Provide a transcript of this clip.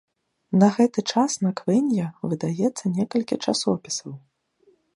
На гэты час на квэнья выдаецца некалькі часопісаў.